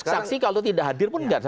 saksi kalau tidak hadir pun nggak ada